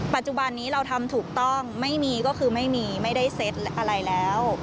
ปัจจุบันนี้เราทำถูกต้องไม่มีก็คือไม่มีไม่ได้เซ็ตอะไรแล้ว